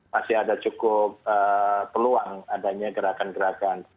masih ada cukup peluang adanya gerakan gerakan